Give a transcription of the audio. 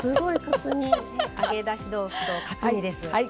揚げだし豆腐とカツ煮です。